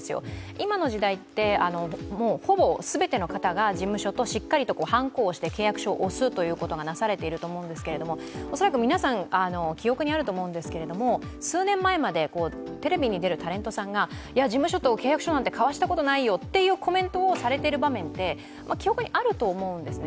今の時代って、もうほぼ全ての方が事務所としっかりと、はんこを押して契約書を押すということがなされていると思うんですけれども恐らく皆さん、記憶にあると思うんですけど数年前までテレビに出るタレントさんが事務所と契約書なんて交わしたことないよとコメントをされている場面って記憶にあると思うんですね。